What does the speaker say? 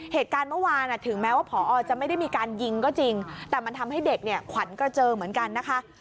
เหตุการณ์เมื่อวานถึงแม้ว่าผอจะไม่ได้มีการยิงก็จริงแต่มันทำให้เด็กเนี่ยขวัญกระเจิงเหมือนกันนะคะ